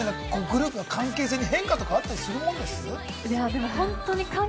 どうです皆さん、グループの関係性に変化とかあったりするもんです？